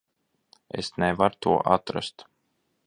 Es nevaru to atrast.